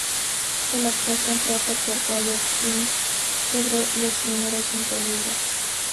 El actual contrato por "Way of Kings" cubre los primeros cinco libros.